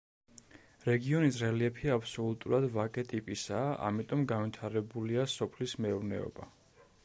რეგიონის რელიეფი აბსოლუტურად ვაკე ტიპისაა, ამიტომ განვითარებულია სოფლის მეურნეობა.